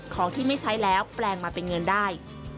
ของที่ไม่ใช้แล้วแปลงมาเป็นเงินได้